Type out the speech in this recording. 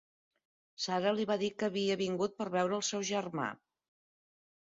Sarah li va dir que havia vingut per veure el seu germà.